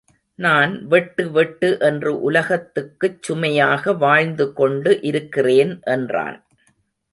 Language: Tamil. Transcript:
நான் வெட்டு வெட்டு என்று உலகத்துக்குச் சுமையாக வாழ்ந்து கொண்டு இருக்கிறேன் என்றான்.